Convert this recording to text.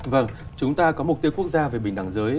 vâng chúng ta có mục tiêu quốc gia về bình đẳng giới